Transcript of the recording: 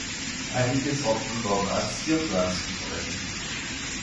Einige Sorten werden als Zierpflanzen verwendet.